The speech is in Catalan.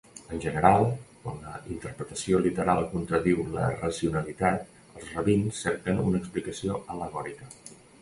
En general quan la interpretació literal contradiu la racionalitat, els rabins cerquen una explicació al·legòrica.